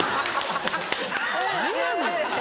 何やねん！